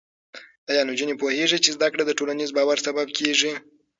ایا نجونې پوهېږي چې زده کړه د ټولنیز باور سبب کېږي؟